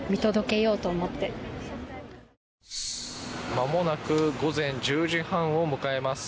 まもなく午前１０時半を迎えます。